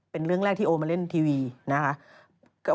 เป็นเรื่องแรกที่โอมาเล่นทีวีนะคะ